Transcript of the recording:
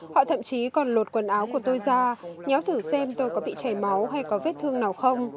họ thậm chí còn lột quần áo của tôi ra nhớ thử xem tôi có bị chảy máu hay có vết thương nào không